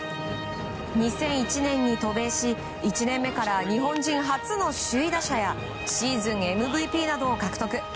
２００１年に渡米し１年目から日本人初の首位打者やシーズンＭＶＰなどを獲得。